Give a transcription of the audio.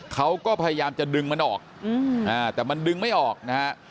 เขาก็พยายามจะดึงมันออกแต่มันดึงไม่ออกนะฮะ